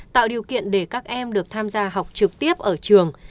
tạo điều kiện để các em được tham gia học trực tiếp ở trường